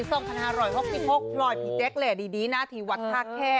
ส่งธนา๑๖๖รอยพี่แจ๊คแหล่ดดีนะที่วัดทาแค่